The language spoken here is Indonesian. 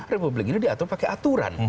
republik ini diatur pakai aturan